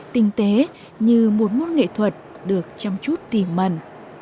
tinh tế như một mút nghệ thuật được chăm chút tìm mần